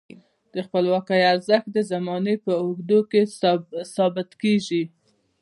د خپلواکۍ ارزښت د زمانې په اوږدو کې ثابتیږي.